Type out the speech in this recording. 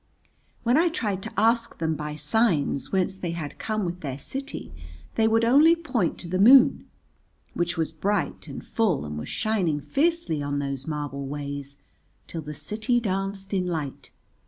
When I tried to ask them by signs whence they had come with their city they would only point to the moon, which was bright and full and was shining fiercely on those marble ways till the city danced in light.